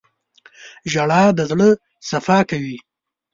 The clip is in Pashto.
• ژړا د زړه صفا کوي.